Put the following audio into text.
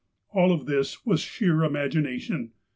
All of this was sheer imagination.